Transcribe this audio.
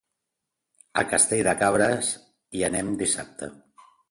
A Castell de Cabres hi anem dissabte.